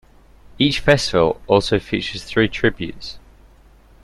Each festival also features three tributes.